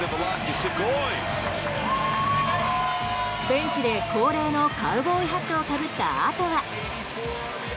ベンチで恒例のカウボーイハットをかぶったあとは。